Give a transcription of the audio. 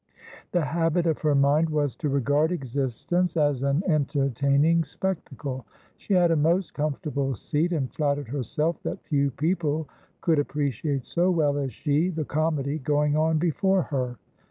The habit of her mind was to regard existence as an entertaining spectacle. She had a most comfortable seat, and flattered herself that few people could appreciate so well as she the comedy going on before her.